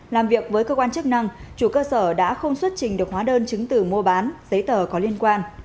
làm việc với cơ quan chức năng chủ cơ sở đã không xuất trình được hóa đơn chứng tử mua bán giấy tờ có liên quan